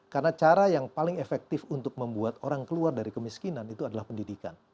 karena cara yang paling efektif untuk membuat orang keluar dari kemiskinan itu adalah pendidikan